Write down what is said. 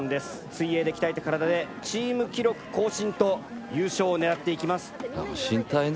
水泳で鍛えた体でチーム記録更新と優勝を狙っていきます。